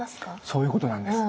そういうことなんです。